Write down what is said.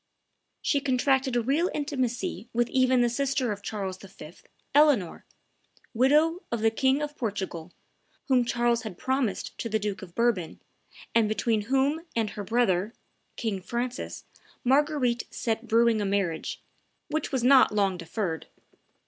She contracted a real intimacy with even the sister of Charles V., Eleanor, widow of the King of Portugal, whom Charles had promised to the Duke of Bourbon, and between whom and her brother, King Francis, Marguerite set brewing a marriage, which was not long deferred.